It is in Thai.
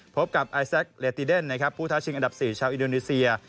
พบกับไอซักเหลติเดนผู้ท้าชิงอันดับ๔ชาวอินโดนีเซีย